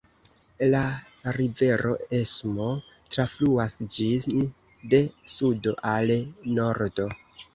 La rivero Emso trafluas ĝin de sudo al nordo.